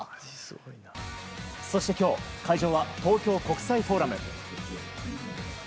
そして今日会場は東京国際フォーラム。